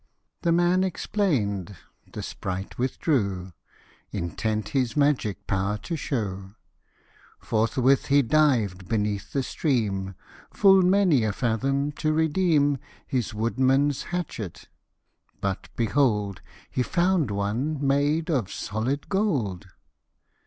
47 The man explain'd, the sprite withdrew, Intent his magic power to shew ; Forthwith he dived beneath the stream Full many a fathom, to redeem This woodman's hatchet ; but behold ! He found one made of solid gold